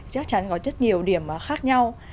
chắc chắn có rất nhiều điểm khác nhau